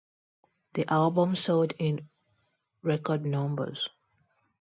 The album sold in record numbers.